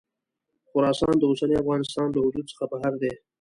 خراسان د اوسني افغانستان له حدودو څخه بهر دی.